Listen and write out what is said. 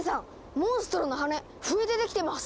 モンストロの羽笛でできてます！